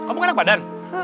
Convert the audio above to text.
kamu enak badan